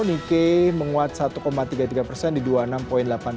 nikkei menguat satu tiga puluh tiga persen di rp dua puluh enam delapan ratus empat puluh dua